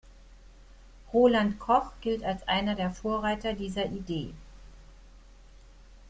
Roland Koch gilt als einer der Vorreiter dieser Idee.